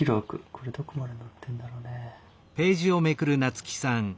これどこまで載ってんだろうね。